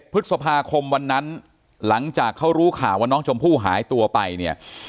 พฤษภาคมวันนั้นหลังจากเขารู้ข่าวว่าน้องชมพู่หายตัวไปเนี่ย